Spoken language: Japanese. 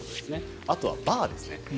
あとはバーですね。